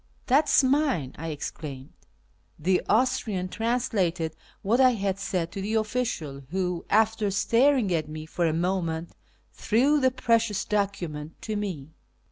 " That is mine," I exclaimed. The Austrian translated what I had said to the official, who, after staring at me for a moment, threw the precious document to me.